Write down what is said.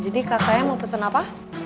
jadi kak kayan mau pesen apa